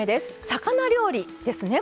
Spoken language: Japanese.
魚料理ですね